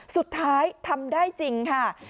สุดท้ายทำได้จริงค่ะ